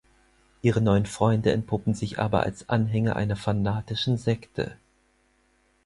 Ihre neuen Freunde entpuppen sich aber als Anhänger einer fanatischen Sekte.